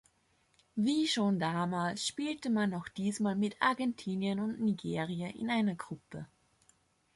Wie schon damals spielte man auch diesmal mit Argentinien und Nigeria in einer Gruppe.